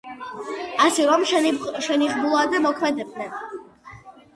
ასე რომ, შენიღბულად მოქმედებდნენ.